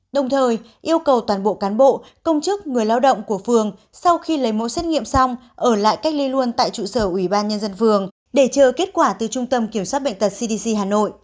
đồng thời yêu cầu toàn bộ cán bộ công chức người lao động của phường sau khi lấy mẫu xét nghiệm xong ở lại cách ly luôn tại trụ sở ủy ban nhân dân phường để chờ kết quả từ trung tâm kiểm soát bệnh tật cdc hà nội